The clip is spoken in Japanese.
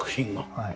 はい。